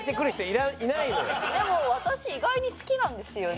でも私意外に好きなんですよね。